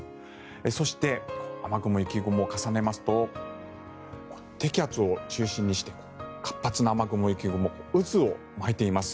そして雨雲、雪雲を重ねますと低気圧を中心にして活発な雨雲・雪雲渦を巻いています。